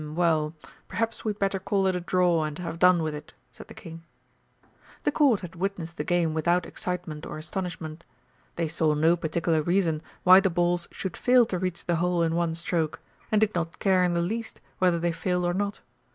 "H'm, well, perhaps we'd better call it a draw and have done with it," said the King. The Court had witnessed the game without excitement or astonishment. They saw no particular reason why the balls should fail to reach the hole in one stroke, and did not care in the least whether they failed or not.